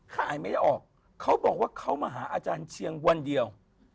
ขายไม่ได้ออกเขาบอกว่าเขามาหาอาจารย์เชียงวันเดียว